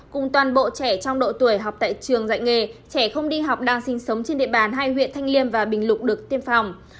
cùng toàn bộ trẻ trong độ tuổi học tại trường dạy nghề trẻ không đi học đang sinh sống trên địa bàn hai huyện thanh liêm và bình lục được tiêm phòng